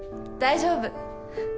大丈夫。